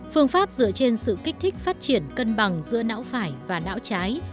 phương pháp dựa trên sự kích thích phát triển cân bằng giữa não phải và não trái